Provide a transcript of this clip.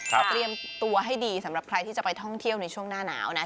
เตรียมตัวให้ดีสำหรับใครที่จะไปท่องเที่ยวในช่วงหน้าหนาวนะ